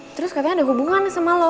terus katanya ada hubungan sama lo